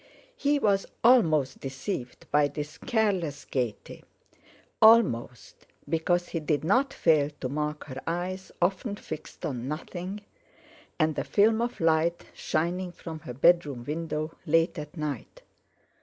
He was almost deceived by this careless gaiety. Almost—because he did not fail to mark her eyes often fixed on nothing, and the film of light shining from her bedroom window late at night.